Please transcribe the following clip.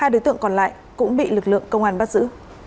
ba đối tượng còn lại cũng bị lực lượng công an bắt giữ